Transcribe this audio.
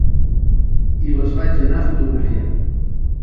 I les vaig anar fotografiant.